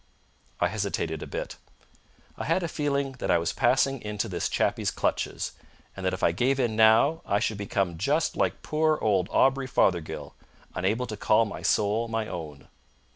I hesitated a bit. I had a feeling that I was passing into this chappie's clutches, and that if I gave in now I should become just like poor old Aubrey Fothergill, unable to call my soul my own.